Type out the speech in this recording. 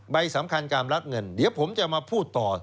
ใบสำคัญการรับเงินเดี๋ยวผมจะมาพูดต่อ